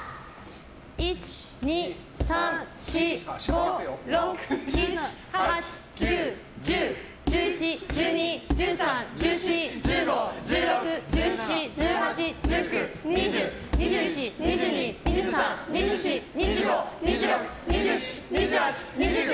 １、２、３、４、５、６７、８、９、１０１１、１２、１３、１４、１５１６、１７、１８、１９２０、２１、２２、２３、２４２５、２６、２７、２８、２９。